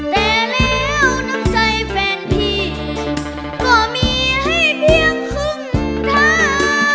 แต่แล้วน้ำใจแฟนพี่ก็มีให้เพียงครึ่งทาง